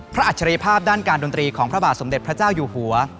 อัจฉริยภาพด้านการดนตรีของพระบาทสมเด็จพระเจ้าอยู่หัว